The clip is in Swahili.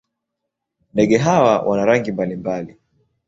Ndege hawa wana rangi mbalimbali.